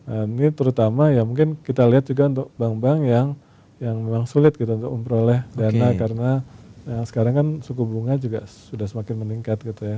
ini terutama ya mungkin kita lihat juga untuk bank bank yang memang sulit gitu untuk memperoleh dana karena sekarang kan suku bunga juga sudah semakin meningkat gitu ya